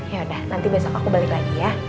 yaudah nanti besok aku balik lagi ya